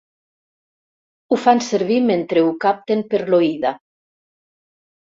Ho fan servir mentre ho capten per l'oïda.